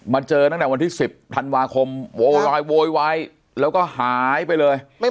มาเจอนักแห่งวันที่๑๐ธันวาคมโวยวายแล้วก็หายไปเลย